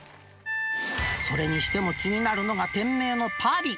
それにしても気になるのが店名のパリ。